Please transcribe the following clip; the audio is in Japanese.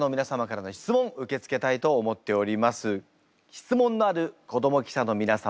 質問のある子ども記者の皆様